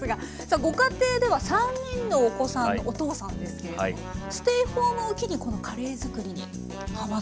さあご家庭では３人のお子さんのお父さんですけれどもステイホームを機にこのカレーづくりにハマったんですね。